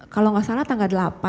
kalau nggak salah tanggal delapan